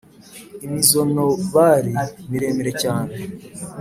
imizonobari miremire cyane,